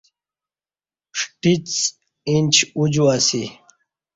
ݜٹیڅ انچ اُوجو اسی